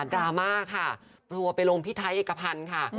ดราม่าค่ะเพราะว่าไปลงพี่ไทยเอกพันธุ์ค่ะ